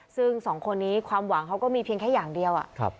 ซึ่งสองคนนี้ความหวังเขาก็มีเพียงแค่อย่างเดียว